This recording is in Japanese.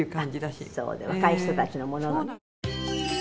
「そうね若い人たちのものをね」